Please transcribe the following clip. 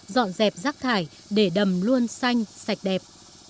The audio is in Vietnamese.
dọn dẹp rác thải để đầm luôn xanh sạch đẹp